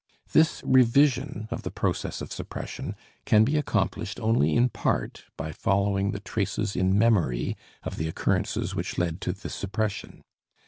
This revision of the process of suppression can be accomplished only in part by following the traces in memory of the occurrences which led to the suppression.